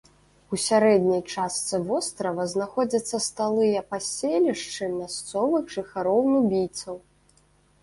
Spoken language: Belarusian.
У сярэдняй частцы вострава знаходзяцца сталыя паселішчы мясцовых жыхароў-нубійцаў.